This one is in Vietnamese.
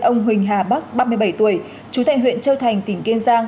ông huỳnh hà bắc ba mươi bảy tuổi chú tại huyện châu thành tỉnh kiên giang